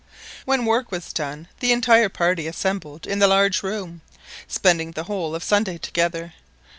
When work was done the entire party assembled in the large room, spending the whole of Sunday together.